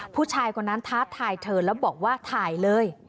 ผู้ชายคนนั้นท้าทายเธอแล้วบอกว่าถ่ายเลย